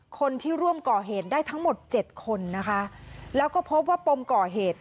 คนที่ร่วมก่อเหตุได้ทั้งหมดเจ็ดคนนะคะแล้วก็พบว่าปมก่อเหตุ